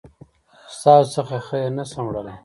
ستاسو څخه خير نسم وړلای